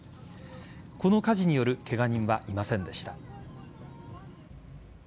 この火事によるケガ人はいませんでした。